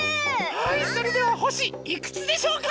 はいそれではほしいくつでしょうか？